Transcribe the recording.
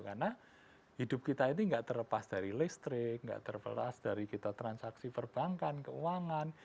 karena hidup kita ini enggak terlepas dari listrik enggak terlepas dari kita transaksi perbankan keuangan